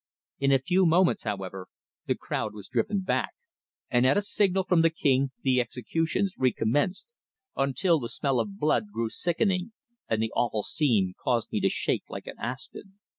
In a few moments, however, the crowd was driven back, and at a signal from the King the executions recommenced, until the smell of blood grew sickening, and the awful scene caused me to shake like an aspen.